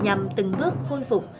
nhằm từng bước khôi phục